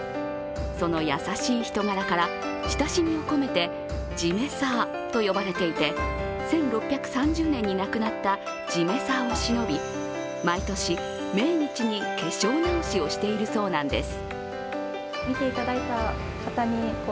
その優しい人柄から、親しみを込めて「じめさあ」と呼ばれていて１６３０年に亡くなったじめさあをしのび毎年、命日に化粧直しをしているそうなんです。